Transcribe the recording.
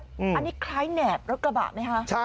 อันนี้คล้ายแหนบรถกระบะไหมคะ